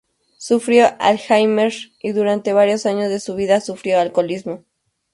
Sufrió Alzheimer y durante varios años de su vida sufrió alcoholismo.